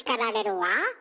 は？